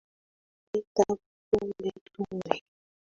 Leta pombe tunywe